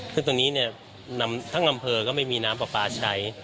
ซึ่งตรงนี้ทั้งอำเภอก็ไม่มีน้ำปลาปลาใช้